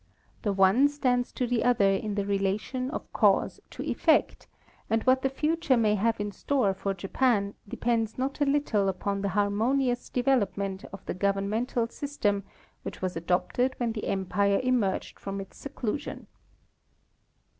The one stands to the other in the relation of cause to effect, and what the future may have in store for Japan depends not a little upon the harmonious development of the governmental system which was adopted when the empire emerged from its seclusion.